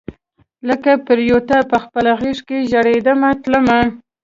لکه پیروته پخپل غیږ کې ژریدمه تلمه